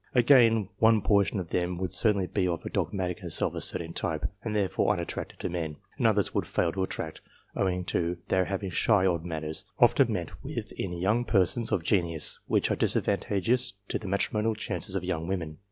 Again, one portion of them certainly be of a dogmatic and. and therefore unattractive to men, and others would fail to attract, owing tol]feTp4iayjitt^l^^ often met with in young persons of genius/whicn are disadvantageous to ThlT matrimonial chances of young women.